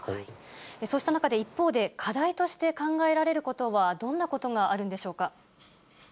そうした中で、一方で課題として考えられることは、どんなことがあるんでしょうか。